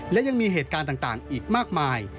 และยังมีเหตุการณ์ต่างอีกมากมาย